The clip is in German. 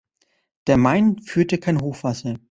Der Main führte kein Hochwasser.